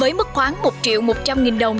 với mức khoán một triệu một trăm linh nghìn đồng